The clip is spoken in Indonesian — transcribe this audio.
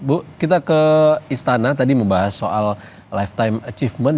bu kita ke istana tadi membahas soal lifetime achievement